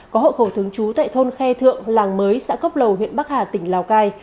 có hộ khẩu thường trú tại thôn khe thượng làng mới xã cốc lầu huyện bắc hà tỉnh lào cai